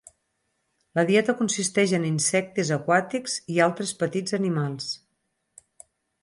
La dieta consisteix en insectes aquàtics i altres petits animals.